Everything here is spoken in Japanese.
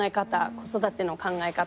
子育ての考え方